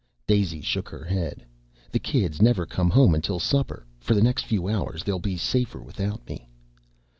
Daisy shook her head. "The kids never come home until supper. For the next few hours they'll be safer without me."